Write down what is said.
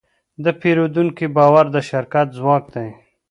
د پیرودونکي باور د شرکت ځواک دی.